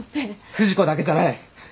富士子だけじゃない。